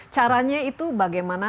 caranya itu bagaimana